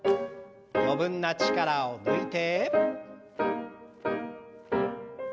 余分な力を抜いて。